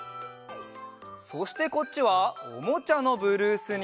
そしてこっちは「おもちゃのブルース」に。